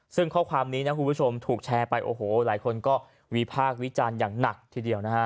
ซึ่งข้อความนี้นะคุณผู้ชมถูกแชร์ไปโอ้โหหลายคนก็วิพากษ์วิจารณ์อย่างหนักทีเดียวนะฮะ